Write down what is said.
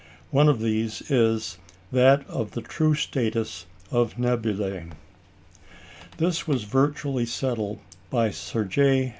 One of these is that of the true status of nebulæ. This was virtually settled by Sir J.